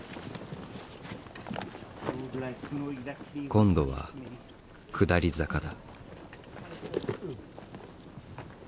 今度は下り坂だ。